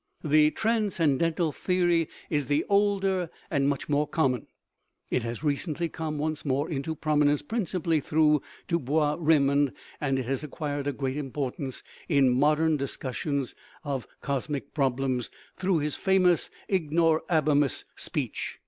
The transcenden tal theory is the older and much more common ; it has recently come once more into prominence, principally through Du Bois Reymond, and it has acquired a great importance in modern discussions of cosmic problems through his famous "Ignorabimus speech."